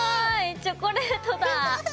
チョコレートだ。